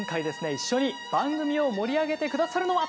一緒に番組を盛り上げてくださるのは。